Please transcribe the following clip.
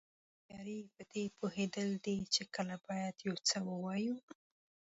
هوښیاري پدې پوهېدل دي چې کله باید یو څه ووایو.